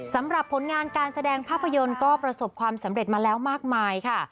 สำหรับผลงานการแสดงภาพยนตร์ก็ประสบความสำเร็จมาแล้วมากมายค่ะ